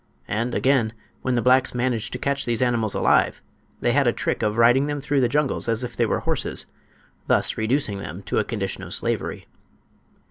And, again, when the blacks managed to catch these animals alive, they had a trick of riding them through the jungles as if they were horses, thus reducing them to a condition of slavery.